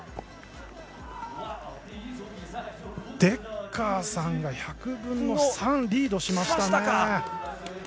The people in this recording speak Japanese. デッカーさんが１００分の３リードしましたね。